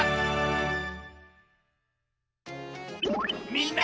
みんな！